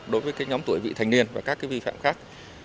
đối với nhóm tuổi vị thành niên và các vi phạm khác